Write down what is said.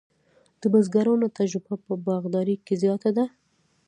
د بزګرانو تجربه په باغدارۍ کې زیاته ده.